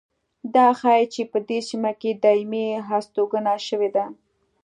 دا ښيي چې په دې سیمه کې دایمي هستوګنه شوې ده